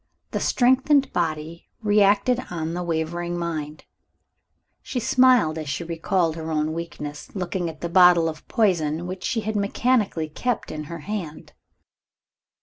The strengthened body reacted on the wavering mind. She smiled as she recalled her own weakness, looking at the bottle of poison which she had mechanically kept in her hand.